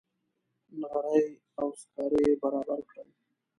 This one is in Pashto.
نغرۍ او سکاره یې برابر کړل.